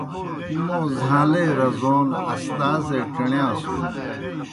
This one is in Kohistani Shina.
موں زھاݩلے رزون استازے ڇیݨِیاسُن۔